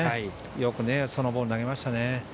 よく、そのボールを投げましたね。